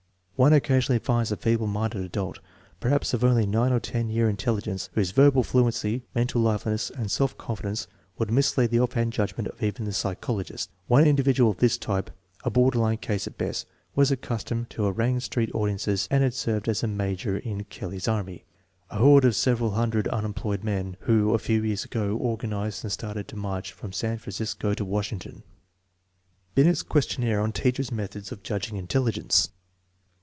One occasion ally finds a feeble minded adult, perhaps of only 9 or 10 year intelligence, whose verbal fluency, mental liveliness, and self confidence would mislead the offhand judgment of even the psychologist. One individual of this type, a bor der line case at, best, was accustomed to harangue street audiences and had served as " major " in " Kelly's Army,*' a horde of several hundred unemployed men who a few years ago organized and started to march from San Francisco to Washington, Binet's questionnaire on teachers' methods of judging intelligence.